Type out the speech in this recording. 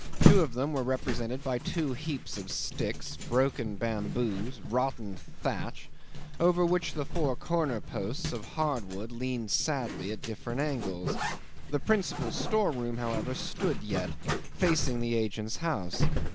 Two of them were represented by two heaps of sticks, broken bamboos, rotten thatch, over which the four corner posts of hardwood leaned sadly at different angles: the principal storeroom, however, stood yet, facing the agent's house.